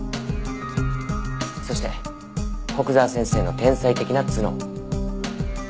そして古久沢先生の天才的な頭脳。